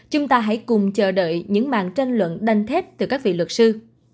chúng ta hãy cùng chờ đợi những màn tranh luận đanh thép từ các vị luật sư